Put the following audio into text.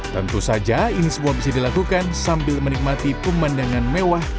tentu saja ini semua bisa dilakukan sambil menikmati pemandangan mewah